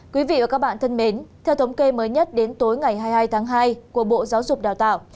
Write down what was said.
quý vị và các bạn thân mến theo thống kê mới nhất đến tối ngày hai mươi hai tháng hai của bộ giáo dục đào tạo